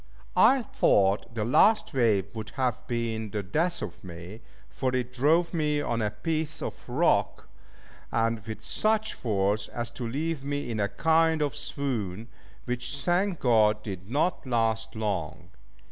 I thought the last wave would have been the death of me, for it drove me on a piece of rock, and with such force, as to leave me in a kind of swoon, which, thank God, did not last long.